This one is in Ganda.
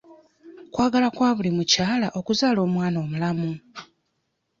Kwagala kwa buli mukyala okuzaala omwana omulamu.